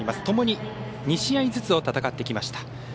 ともに２試合ずつを戦ってきました。